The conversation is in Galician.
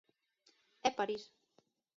É París.